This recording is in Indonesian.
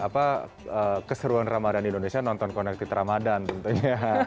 apa keseruan ramadan di indonesia nonton connected ramadhan tentunya